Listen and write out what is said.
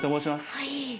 はい。